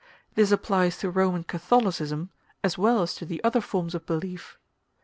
This applies to Roman Catholicism as well as to the other forms of belief.